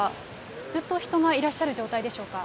ずっと人がいらっしゃる状態でしょうか。